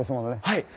はい。